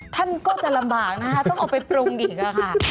ท่านก็จะลำบากนะคะต้องเอาไปปรุงอีกค่ะ